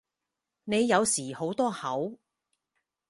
你有時好多口